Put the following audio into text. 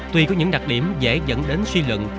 tuy có những đặc điểm dễ dẫn đến suy lượng